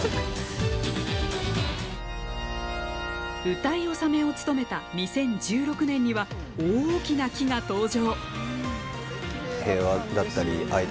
歌い納めを務めた２０１６年には、大きな木が登場。